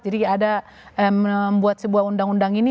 jadi ada membuat sebuah undang undang ini